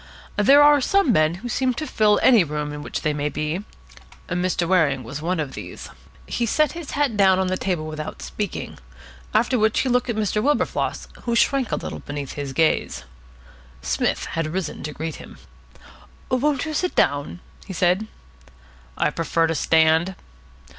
There are some men who seem to fill any room in which they may be. Mr. Waring was one of these. He set his hat down on the table without speaking. After which he looked at Mr. Wilberfloss, who shrank a little beneath his gaze. Psmith had risen to greet him. "Won't you sit down?" he said. "I prefer to stand."